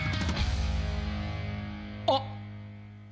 あっ！